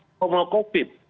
mau saat mau covid